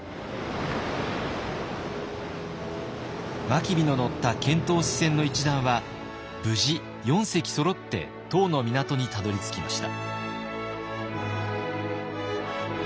真備の乗った遣唐使船の一団は無事４隻そろって唐の港にたどりつきました。